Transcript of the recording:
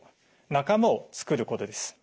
仲間をつくることです。